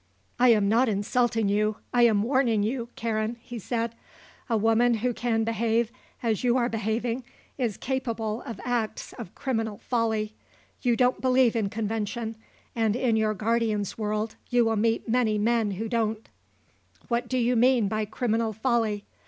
"I am not insulting you, I am warning you, Karen," he said. "A woman who can behave as you are behaving is capable of acts of criminal folly. You don't believe in convention, and in your guardian's world you will meet many men who don't." "What do you mean by criminal folly?"